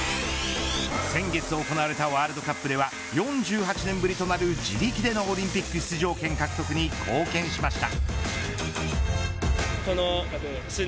先月行われたワールドカップでは４８年ぶりとなる自力でのオリンピック出場権獲得に貢献しました。